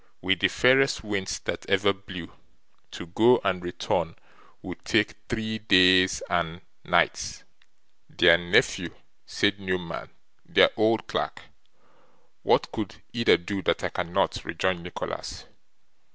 With the fairest winds that ever blew, to go and return would take three days and nights.' 'Their nephew,' said Newman, 'their old clerk.' 'What could either do, that I cannot?' rejoined Nicholas.